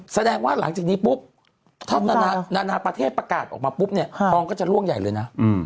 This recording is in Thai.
แสดงว่าหลังจากนี้ปุ๊บถ้านานาประเทศประกาศออกมาปุ๊บเนี่ยทองก็จะล่วงใหญ่เลยนะ